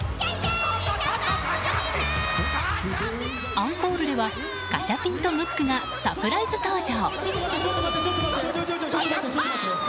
アンコールでは、ガチャピンとムックがサプライズ登場！